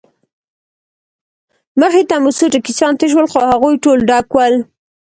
مخې ته مو څو ټکسیان تېر شول، خو هغوی ټول ډک ول.